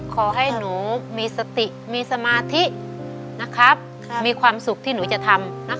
ขอให้หนูมีสติมีสมาธินะครับครับมีความสุขที่หนูจะทำนะครับ